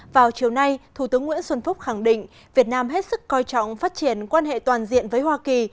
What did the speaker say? vào chiều nay thủ tướng nguyễn xuân phúc khẳng định việt nam hết sức coi trọng phát triển quan hệ toàn diện với hoa kỳ